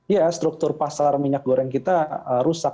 ya struktur pasar minyak goreng kita rusak